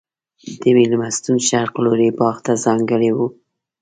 د مېلمستون شرق لوری باغ ته ځانګړی و.